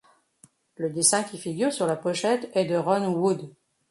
Le dessin qui figure sur la pochette est de Ron Wood.